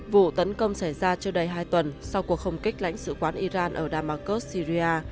vụ tấn công xảy ra trước đây hai tuần sau cuộc không kích lãnh sự quán iran ở damascus syria